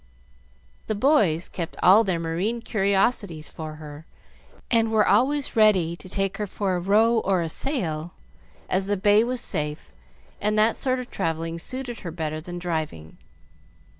The boys kept all their marine curiosities for her, and were always ready to take her a row or a sail, as the bay was safe and that sort of travelling suited her better than driving.